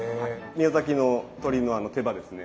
宮崎の鶏の手羽ですね。